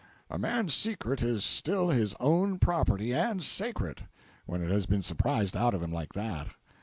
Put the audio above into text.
A man's secret is still his own property, and sacred, when it has been surprised out of him like that.